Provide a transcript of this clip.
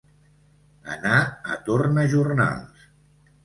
Anar a tornajornals.